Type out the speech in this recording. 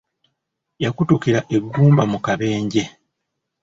Yakutukira eggumba mu kabenje.